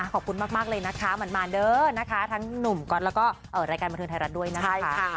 ขอบคุณมากเลยนะคะมันมาเด้อนะคะทั้งหนุ่มก๊อตแล้วก็รายการบันเทิงไทยรัฐด้วยนะคะ